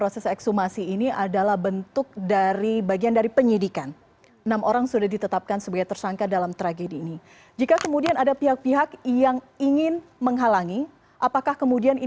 selamat sore mbak